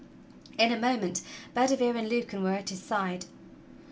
In a moment Bedivere and Lucan were at his side.